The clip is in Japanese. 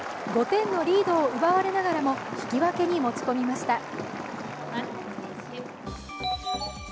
５点のリードを奪われながらも引き分けに持ち込みました。